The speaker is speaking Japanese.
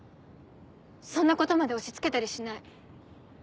そんなことまで押し付けたりしない。